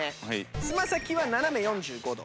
つま先は斜め４５度。